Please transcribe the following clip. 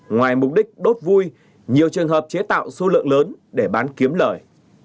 ngoài mục đích đốt vui nhiều trường hợp chế tạo số lượng lớn để bán kiếm lời